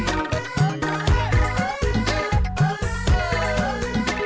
tum teknis juga saja dicintain